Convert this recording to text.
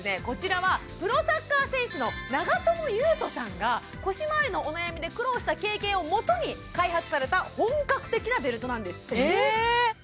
こちらはプロサッカー選手の長友佑都さんが腰回りのお悩みで苦労した経験を元に開発された本格的なベルトなんですえっ！？